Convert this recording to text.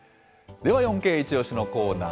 では４Ｋイチオシ！のコーナー。